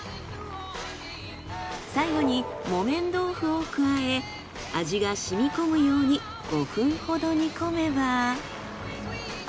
最後に木綿豆腐を加え味が染み込むように５分ほど煮込めば。